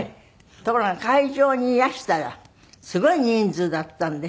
ところが会場にいらしたらすごい人数だったんで。